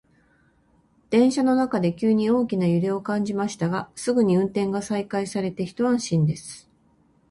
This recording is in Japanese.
電車の中で急に大きな揺れを感じましたが、すぐに運転が再開されて一安心です。